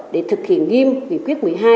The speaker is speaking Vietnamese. để thực hiện nghiêm nghị quyết một mươi hai